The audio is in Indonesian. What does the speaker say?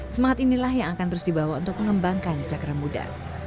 semangat inilah yang akan terus dibawa untuk mengembangkan cakra muda